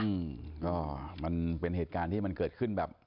อืมก็มันเป็นเหตุการณ์ที่มันเกิดขึ้นแบบ